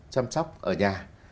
chăm sóc ở nhà